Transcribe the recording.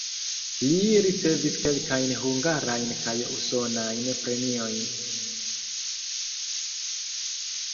Li ricevis kelkajn hungarajn kaj usonajn premiojn.